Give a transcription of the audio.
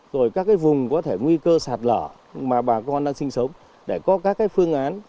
rồi các cái vùng có thể nguy cơ sạt lở mà bà con đang sinh sống để có các cái phương án